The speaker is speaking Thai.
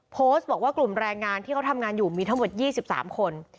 โพสต์บอกว่ากลุ่มแรงงานที่เขาทำงานอยู่มีทั้งหมด๒๓คน